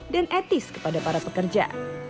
dan etis kepada para pekerja